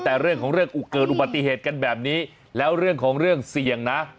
แต่เรื่องของเรื่องเกิดอุบัติเหตุกันแบบนี้แล้วเรื่องของเรื่องเสี่ยงนะ